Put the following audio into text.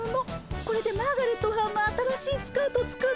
これでマーガレットはんの新しいスカート作ってね。